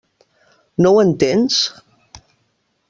No ho entens?